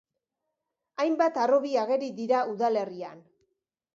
Hainbat harrobi ageri dira udalerrian.